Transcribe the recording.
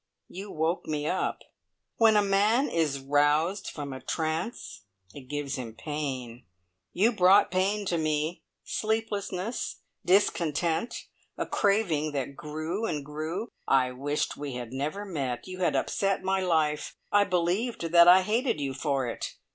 You woke me up. When a man is roused from a trance it gives him pain. You brought pain to me sleeplessness, discontent, a craving that grew and grew. I wished we had never met you had upset my life; I believed that I hated you for it.